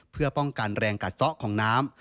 เพื่อป้องกันแรงกัดซะของน้ำ